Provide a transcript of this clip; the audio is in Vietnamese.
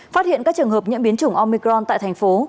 phát hiện các trường hợp nhiễm biến chủng omicron tại thành phố